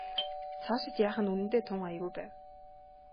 Цаашид яах нь үнэндээ тун аягүй байв.